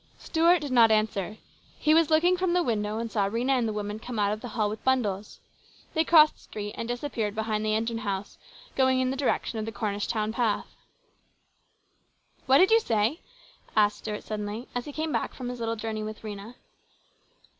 Stuart did not answer. He was looking from the window and saw Rhena and the woman come out of the hall with bundles. They crossed the street and disappeared behind the engine house, going in the direction of the Cornish town path. " What did you say ?" asked Stuart suddenly, as he came back from his little journey with Rhena.